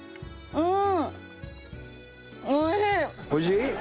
うん！